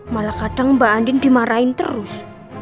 malah kadang mbak andin dimarahin terus